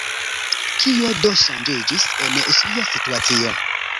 Kio do ŝanĝiĝis en ŝia situacio?